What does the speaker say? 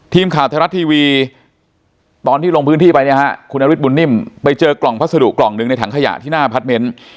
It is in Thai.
ทีมขาวเทศรัฐทีวีตอนที่ลงพื้นที่ไปคุณอาริสบุญนิ่มไปเจอกล่องพัสดุกล่องหนึ่งในถังขยะที่หน้าพัสเม้น